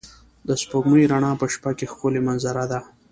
د سپوږمۍ رڼا په شپه کې ښکلی منظره ده.